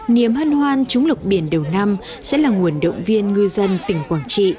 nhiệm hân hoan chống lộc biển đầu năm sẽ là nguồn động viên ngư dân tỉnh quảng trị